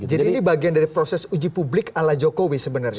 jadi ini bagian dari proses uji publik ala jokowi sebenarnya